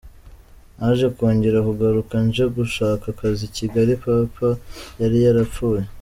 Naje kongera kugaruka nje gushaka akazi i Kigali, Papa yari yarapfuye.